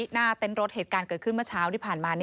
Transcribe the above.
หน้าเต็นต์รถเหตุการณ์เกิดขึ้นเมื่อเช้าที่ผ่านมา